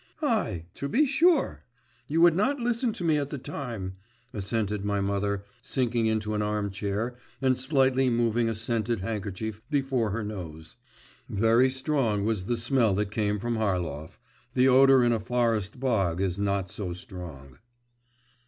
'Ay, to be sure; you would not listen to me at the time,' assented my mother, sinking into an arm chair and slightly moving a scented handkerchief before her nose; very strong was the smell that came from Harlov … the odour in a forest bog is not so strong.